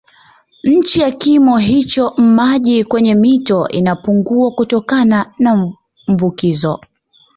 Chini ya kimo hicho maji kwenye mito inapungua kutokana na mvukizo